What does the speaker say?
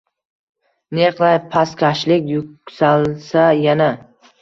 Ne qilay, pastkashlik yuksalsa yana